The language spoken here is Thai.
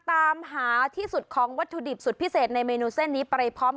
ตามหาที่สุดของวัตถุดิบสุดพิเศษในเมนูเส้นนี้ไปพร้อม